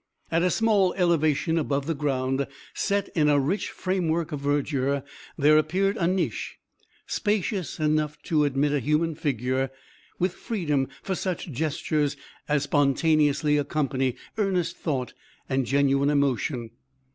At a small elevation above the ground, set in a rich framework of verdure, there appeared a niche, spacious enough to admit a human figure, with freedom for such gestures as spontaneously accompany earnest thought and genuine emotion.